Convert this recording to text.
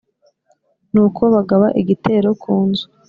nuko bagaba igitero ku nzu